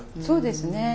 そうですね。